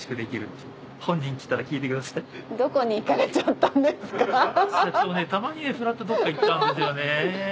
たまにふらっとどっか行っちゃうんですよね。